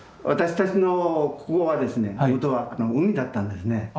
私たちのここはですねもとは海だったんですね。